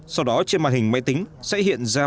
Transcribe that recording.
sau đó trên màn hình máy tính sẽ hiện ra